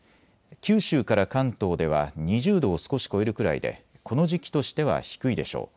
九州から関東では２０度を少し超えるくらいで、この時期としては低いでしょう。